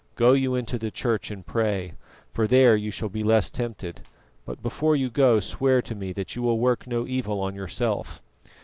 Go you into the church and pray, for there you shall be less tempted; but before you go, swear to me that you will work no evil on yourself."